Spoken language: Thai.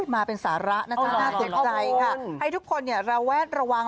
มาเป็นสาระนะจ๊ะน่าเสียใจค่ะให้ทุกคนเนี่ยระแวดระวัง